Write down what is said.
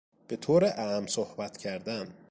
به طور اعم صحبت کردن